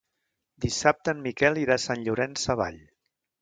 Dissabte en Miquel irà a Sant Llorenç Savall.